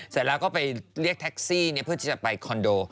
เสร็จแล้วก็ไปเรียกแท็กซี่เพื่อที่จะไปคอนโด